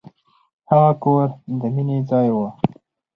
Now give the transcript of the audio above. هغه کور د مینې ځای و.